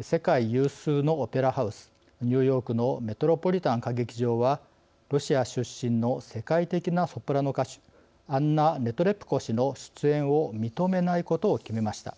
世界有数のオペラハウスニューヨークのメトロポリタン歌劇場はロシア出身の世界的なソプラノ歌手アンナ・ネトレプコ氏の出演を認めないことを決めました。